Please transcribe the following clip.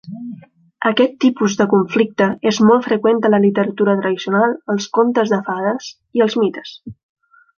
Aquest tipus de conflicte és molt freqüent a la literatura tradicional, els contes de fades i els mites.